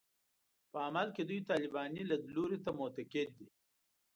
خو په عمل کې دوی طالباني لیدلوري ته معتقد دي